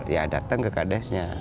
ya datang ke kdes nya